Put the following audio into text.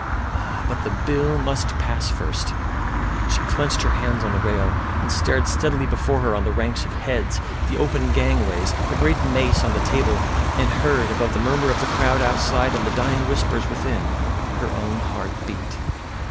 Ah! but the Bill must pass first.... She clenched her hands on the rail, and stared steadily before her on the ranks of heads, the open gangways, the great mace on the table, and heard, above the murmur of the crowd outside and the dying whispers within, her own heart beat.